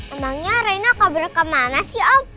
emangnya reina kabar kemana sih om